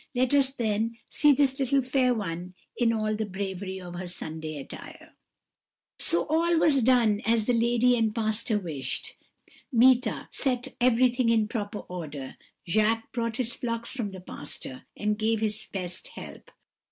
Let us then see this little fair one in all the bravery of her Sunday attire.' "And all was done as the lady and pastor wished. Meeta set everything in proper order. Jacques brought his flocks from the pasture, and gave his best help.